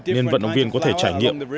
nên vận động viên có thể trải nghiệm